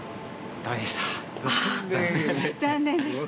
駄目でした。